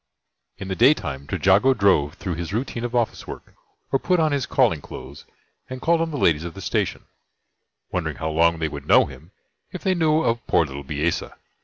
In the day time, Trejago drove through his routine of office work, or put on his calling clothes and called on the ladies of the Station; wondering how long they would know him if they knew of poor little Bisesa.